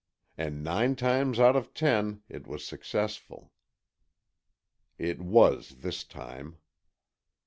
And nine times out of ten it was successful. It was this time.